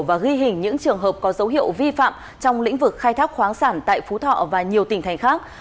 và ghi hình những trường hợp có dấu hiệu vi phạm trong lĩnh vực khai thác khoáng sản tại phú thọ và nhiều tỉnh thành khác